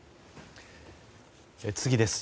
次です。